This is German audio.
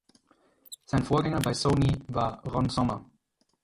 Sein Vorgänger bei Sony war Ron Sommer.